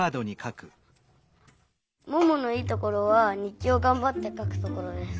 「もものいいところはにっきをがんばってかくところです」。